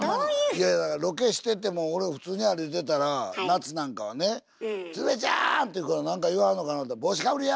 いやだからロケしてても俺普通に歩いてたら夏なんかはね「鶴瓶ちゃん！」って言うからなんか言わはるのかなと「帽子かぶりや！」